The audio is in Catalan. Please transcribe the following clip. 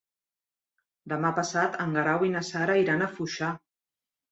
Demà passat en Guerau i na Sara iran a Foixà.